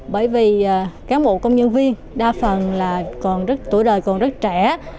bởi vì cán bộ công nhân viên đa phần là tuổi đời còn rất trẻ